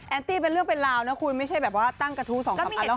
ตี้เป็นเรื่องเป็นราวนะคุณไม่ใช่แบบว่าตั้งกระทู้๒๓อันแล้ว